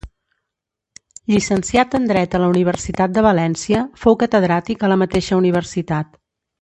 Llicenciat en dret a la Universitat de València, fou catedràtic a la mateixa universitat.